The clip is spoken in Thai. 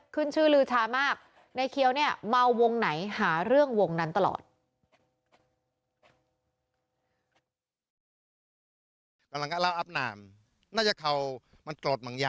ขึ้นชื่อลือชามากในเคี้ยวเนี่ยเมาวงไหนหาเรื่องวงนั้นตลอด